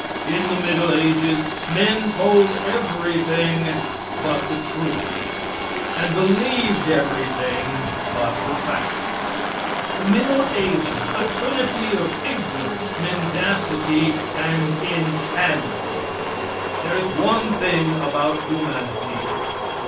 In the middle ages men told everything but the truth, and believed everything but the facts. The middle ages a trinity of ignorance, mendacity and insanity. There is one thing about humanity.